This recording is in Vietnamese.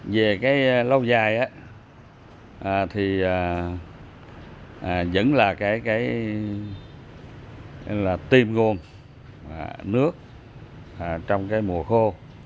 về cái lâu dài thì vẫn là cái tim gồm nước trong cái mùa khô